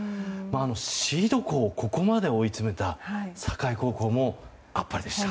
シード校をここまで追い詰めた境高校もあっぱれでした。